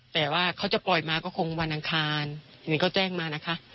แต่ว่าเขาจะปล่อยมาก็คงวานังคารทีนี้ก็แจ้งมานะฮะ